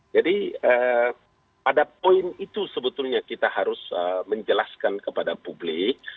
jadi pada poin itu sebetulnya kita harus menjelaskan kepada publik